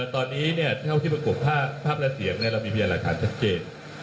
ตอนนี้เนี่ยเท่าที่ประกบภาพและเสียงเนี่ยเรามีพิจารณาถามชัดเจน